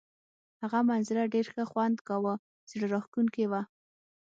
هغه منظره ډېر ښه خوند کاوه، زړه راښکونکې وه.